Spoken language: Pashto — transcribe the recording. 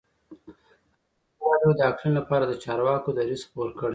ازادي راډیو د اقلیم لپاره د چارواکو دریځ خپور کړی.